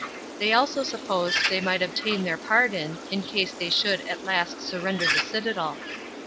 They also supposed they might obtain their pardon, in case they should [at last] surrender the citadel.